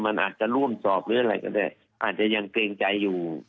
มันอาจจะร่วมสอบหรืออะไรก็ได้อาจจะยังเกรงใจอยู่